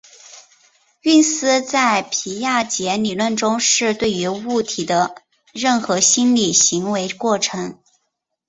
运思在皮亚杰理论中是对于物体的任何心理行为过程。